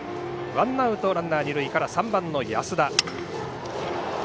ワンアウト、ランナー、二塁から３番の安田。